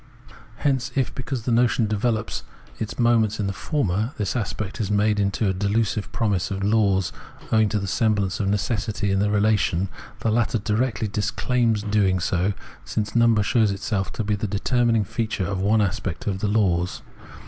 Hence, if, because the notion develops its moments in the former, this aspect made a delusive promise of laws owing to the semblance of necessity in the relation, the latter directly disclaims doing so, since number shows itself to be the determining fea ture of one aspect of its laws.